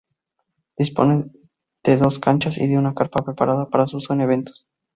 Dispone de dos canchas y de una carpa preparada para su uso en eventos.